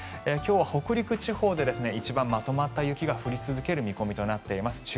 今日は北陸地方で一番まとまった雪が降り続ける見込みとなっています。